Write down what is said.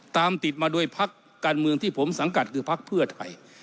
ตามติดมาโดยพักการเมืองที่ผมสังกัดคือพักเพื่อไทย